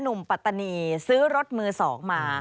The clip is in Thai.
นุ่มปัตตานีซื้อรถมือสองมา